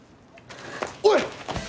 おい！